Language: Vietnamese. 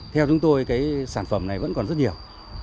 theo chúng tôi cái sản phẩm này vẫn còn rất nhiều